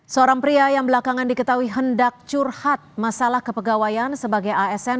seorang pria yang belakangan diketahui hendak curhat masalah kepegawaian sebagai asn